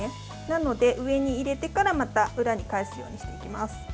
なので、上に入れてからまた裏に返すようにしていきます。